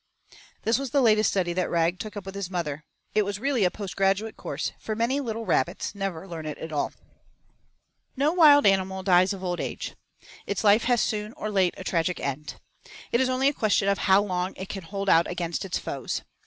This was the latest study that Rag took up with his mother it was really a post graduate course, for many little rabbits never learn it at all. VI No wild animal dies of old age. Its life has soon or late a tragic end. It is only a question of how long it can hold out against its foes.